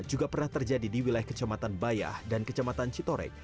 juga pernah terjadi di wilayah kecamatan bayah dan kecamatan citorek